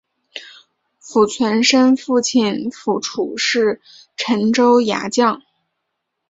符存审父亲符楚是陈州牙将。